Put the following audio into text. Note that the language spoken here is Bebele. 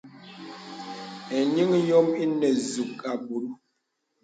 Eniŋ yōŋ inə zūk abū.